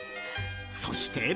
そして。